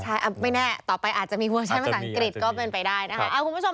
ใช่ไม่แน่ต่อไปอาจจะมีเวิร์ดใช้ภาษาอังกฤษก็เป็นไปได้นะครับ